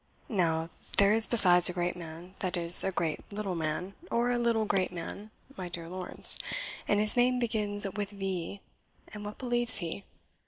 Now, there is, besides, a great man that is, a great little man, or a little great man, my dear Lawrence and his name begins with V, and what believes he?